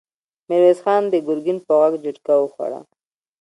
ميرويس خان د ګرګين په غږ جټکه وخوړه!